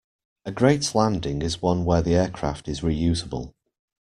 A great landing is one where the aircraft is reusable.